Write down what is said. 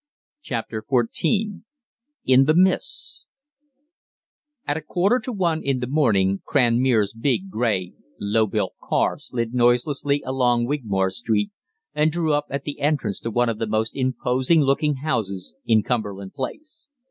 CHAPTER XIV IN THE MISTS At a quarter to one in the morning Cranmere's big, grey, low built car slid noiselessly along Wigmore Street and drew up at the entrance to one of the most imposing looking houses in Cumberland Place.